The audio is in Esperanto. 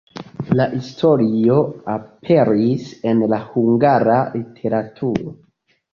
La historio aperis en la hungara literaturo.